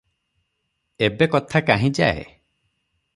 ଏବେ କଥା କାହିଁ ଯାଏ?